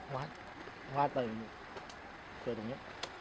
วาสว่าไป